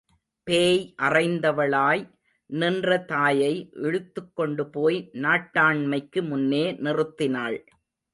பேய் அறைந்தவளாய் நின்ற தாயை இழுத்துக்கொண்டு போய் நாட்டாண்மைக்கு முன்னே நிறுத்தினாள்.